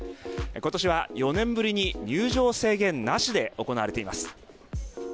今年は４年ぶりに入場制限なしで行われています。